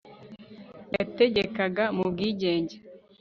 Yategekaga mu bwigenge